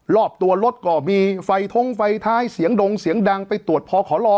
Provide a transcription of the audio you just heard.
รอบตัวรถก็มีไฟท้องไฟท้ายเสียงดงเสียงดังไปตรวจพอขอรอ